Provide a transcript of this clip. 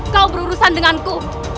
kau berurusan denganku